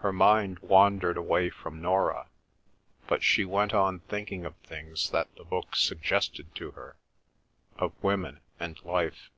(Her mind wandered away from Nora, but she went on thinking of things that the book suggested to her, of women and life.)